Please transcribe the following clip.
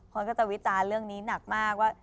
คนก็จะวิจารณ์เรื่องนี้หนักมากว่า